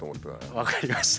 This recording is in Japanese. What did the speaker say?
分かりました。